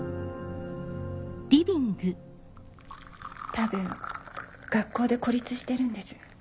多分学校で孤立してるんです。